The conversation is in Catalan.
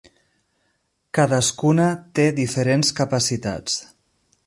Cadascuna té diferents capacitats.